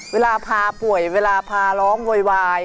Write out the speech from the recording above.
เวลาพาป่วยเวลาพาร้องโวยวาย